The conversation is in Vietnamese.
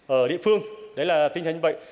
ở địa phương đấy là tinh thần như vậy